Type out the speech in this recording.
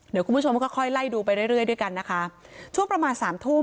เดี๋ยวคุณผู้ชมค่อยค่อยไล่ดูไปเรื่อยเรื่อยด้วยกันนะคะช่วงประมาณสามทุ่ม